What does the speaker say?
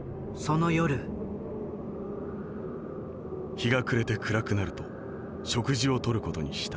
「日が暮れて暗くなると食事をとる事にした。